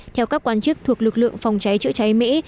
theo các quan chức thuộc lực lượng phòng cháy chữa cháy mỹ